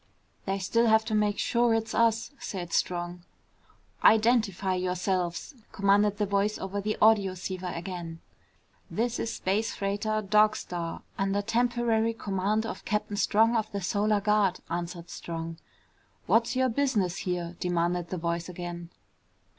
"They still have to make sure it's us," said Strong. "Identify yourselves!" commanded the voice over the audioceiver again. "This is space freighter Dog Star under temporary command of Captain Strong of the Solar Guard," answered Strong. "What's your business here?" demanded the voice again.